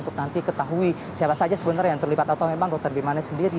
untuk nanti ketahui siapa saja sebenarnya yang terlibat atau memang dr bimanesh sendiri